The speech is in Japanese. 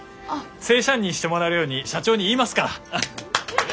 正社員にしてもらえるように社長に言いますから。